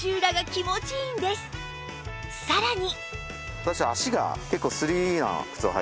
さらに